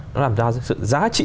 nó làm ra sự giá trị